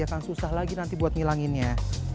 akan susah lagi nanti buat ngilanginnya